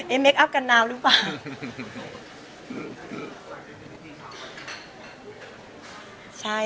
เออเมคอับกันน้ำหรือเปล่า